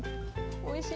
おいしい。